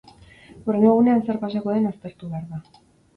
Hurrengo egunean zer pasako den aztertu behar da.